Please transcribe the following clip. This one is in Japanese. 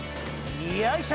よいしょ！